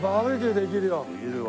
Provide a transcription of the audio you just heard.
できるわ。